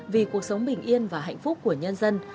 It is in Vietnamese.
vì cuộc sống bình yên và hạnh phúc của nhân dân